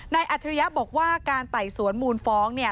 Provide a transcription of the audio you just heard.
อัจฉริยะบอกว่าการไต่สวนมูลฟ้องเนี่ย